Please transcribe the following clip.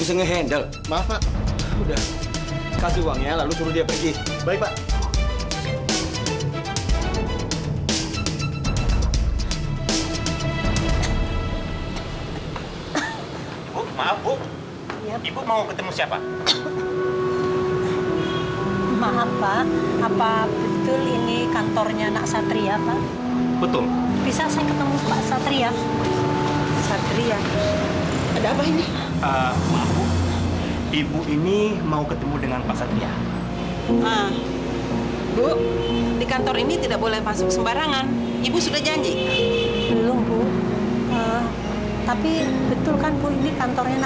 sampai jumpa di video selanjutnya